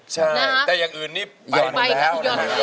ใช่แต่อย่างอื่นนี่ไปหมดแล้ว